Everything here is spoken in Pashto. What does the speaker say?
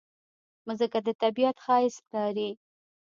مځکه د طبیعت ښایست لري.